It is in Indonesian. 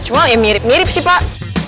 cuma ya mirip mirip sih pak